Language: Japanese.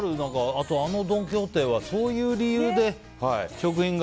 あと、あのドン・キホーテはそういう理由で食品が。